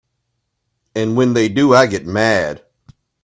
And when they do I get mad.